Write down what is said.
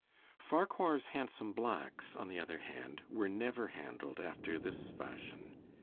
Farquhar's handsome blacks, on the other hand, were never handled after this fashion.